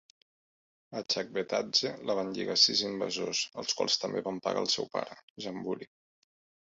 A Chakvetadze, la van lligar sis invasors, els quals també van pegar el seu pare, Djambuli.